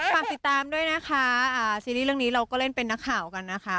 ฝากติดตามด้วยนะคะซีรีส์เรื่องนี้เราก็เล่นเป็นนักข่าวกันนะคะ